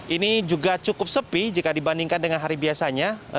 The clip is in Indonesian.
ini juga cukup sepi jika dibandingkan dengan hari biasanya